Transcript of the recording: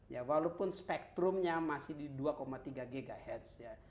ya walaupun spektrumnya masih di dua tiga ghz ya